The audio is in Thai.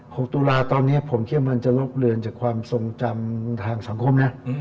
ตุลาตอนเนี้ยผมคิดว่ามันจะลบเลือนจากความทรงจำทางสังคมนะ